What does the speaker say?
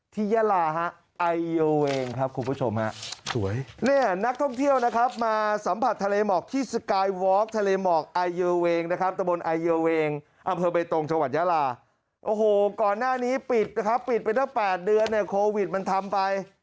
ก่อนหน้านี้ปิดนะครับปิดไปทั้ง๘เดือนโครวิดมันทำไป